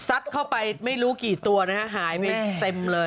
เข้าไปไม่รู้กี่ตัวนะฮะหายไปเต็มเลย